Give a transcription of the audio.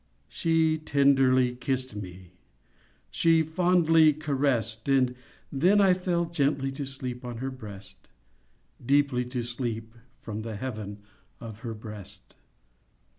She tenderly kissed me, She fondly caressed, And then I fell gently To sleep on her breast— Deeply to sleep From the heaven of her breast.